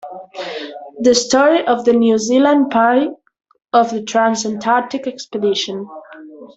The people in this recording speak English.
The story of the New Zealand Party of the Trans-Antarctic Expedition.